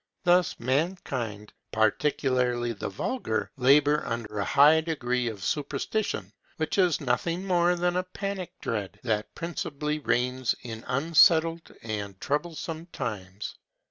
Thus mankind, particularly the vulgar, labor under a high degree of superstition, which is nothing more than a panic dread, that principally reigns in unsettled and troublesome times.